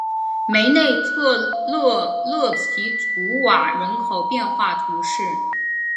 梅内特勒勒皮图瓦人口变化图示